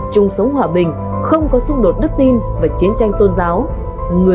chung sống hòa bình không có xung đột đức tin và chiến tranh tôn giáo